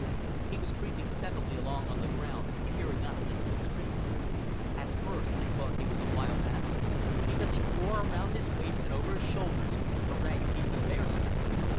He was creeping stealthily along on the ground and peering up into the tree. At first I thought he was a wild animal, because he wore around his waist and over his shoulders a ragged piece of bearskin.